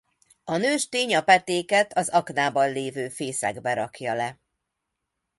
A nőstény a petéket az aknában levő fészekbe rakja le.